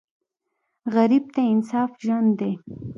غریب ته انصاف ژوند دی